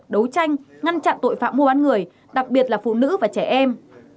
đấu tranh ngăn chặn tội phạm mua bán người đặc biệt là phụ nữ và trẻ em